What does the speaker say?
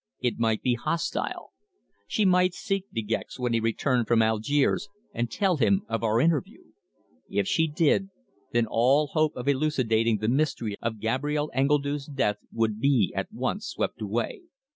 It might be hostile. She might seek De Gex when he returned from Algiers and tell him of our interview! If she did, then all hope of elucidating the mystery of Gabrielle Engledue's death would be at once swept away.